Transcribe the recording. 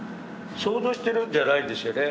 想像してるんじゃないんですよね。